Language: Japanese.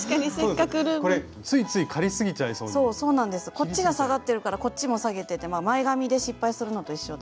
こっちが下がってるからこっちも下げてって前髪で失敗するのと一緒で。